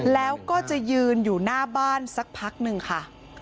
แล้วก็จะยืนอยู่หน้าบ้านสักพักหนึ่งค่ะ